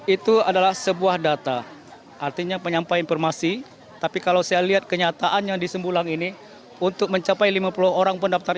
itu adalah sebuah data artinya penyampaian informasi tapi kalau saya lihat kenyataan yang di sembulang ini untuk mencapai lima puluh orang pendaftar itu saja saya rasa tidak sampai